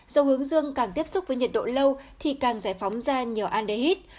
dầu hướng dương càng tiếp xúc với nhiệt độ lâu thì càng giải phóng ra nhiều aldehyde